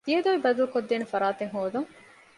ދިޔަދޮވި ބަދަލުުކޮށްދޭނެ ފަރާތެއް ހޯދަން